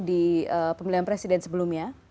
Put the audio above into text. di pemilihan presiden sebelumnya